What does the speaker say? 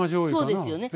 そうですよね。